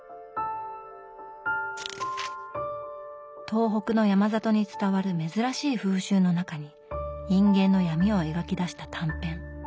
東北の山里に伝わる珍しい風習の中に人間の闇を描きだした短編。